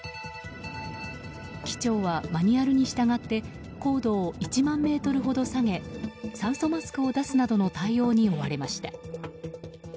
機長はマニュアルに従って高度を１万ｍほど下げ酸素マスクを出すなどの対応に追われました。